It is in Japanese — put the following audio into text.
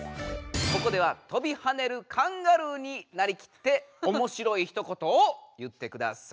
ここではとびはねるカンガルーになりきっておもしろいひと言を言ってください。